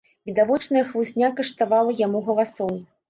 Відавочная хлусня каштавала яму галасоў.